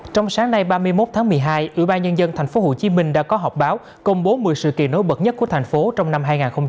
trong sáng nay ba mươi một tháng một mươi hai ủy ban nhân dân tp hcm đã có họp báo công bố một mươi sự kiện nối bật nhất của thành phố trong năm hai nghìn hai mươi